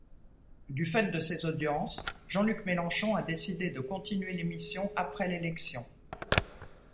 Du fait de ses audiences, Jean-Luc Mélenchon a décidé de continuer l'émission après l'élection.